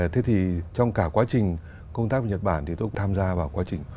thế thì trong cả quá trình công tác của nhật bản thì tôi cũng tham gia vào quá trình